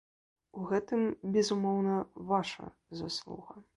У гэтым, безумоўна, ваша заслуга.